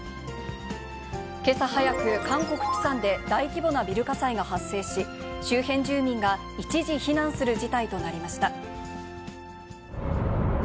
けさ早く、韓国・プサンで大規模なビル火災が発生し、周辺住民が一時避難する事態となりました。